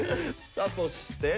さあそして。